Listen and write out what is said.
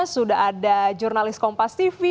sudah ada jurnalis kompas tv